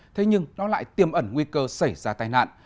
thế nhưng nó lại tiêm ẩn nguy cơ xảy ra tai nạn